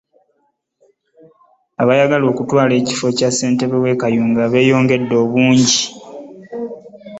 Abaagala okutwala ekifo kya Ssentebe w'e Kayunga beeyongedde obungi.